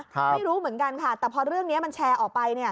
ไม่รู้เหมือนกันค่ะแต่พอเรื่องนี้มันแชร์ออกไป